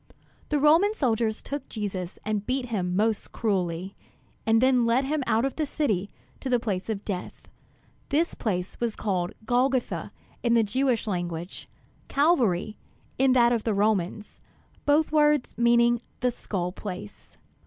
The Roman soldiers then took Jesus and beat him most cruelly; and then led him out of the city to the place of death. This was a place called "Golgotha" in the Jewish language, "Calvary" in that of the Romans; both words meaning "The Skull Place."